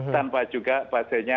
tanpa juga pasiennya